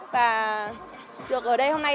và được ở đây hôm nay